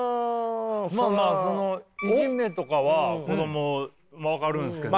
まあまあそのいじめとかは子ども分かるんすけども。